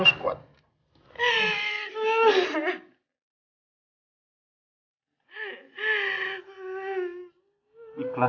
tidak ada yang meminta